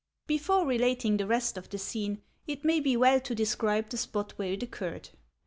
Before relating the rest of the scene, it may be well to describe the spot where it occurred.